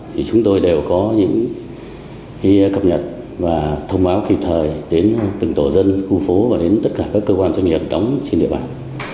thì chúng tôi đều có những cập nhật và thông báo kịp thời đến từng tổ dân khu phố và đến tất cả các cơ quan doanh nghiệp đóng trên địa bàn